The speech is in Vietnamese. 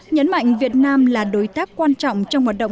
nhấn mạnh việt nam là đối tác quan trọng trong hoạt động